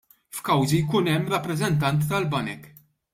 F'kawżi jkun hemm rappreżentanti tal-banek.